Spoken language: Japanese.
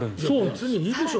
別にいいでしょ。